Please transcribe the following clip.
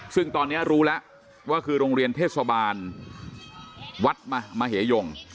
ซึ่งตอนนี้รู้แล้วว่าคือโรงเรียนเทศบาลวัดมเหยง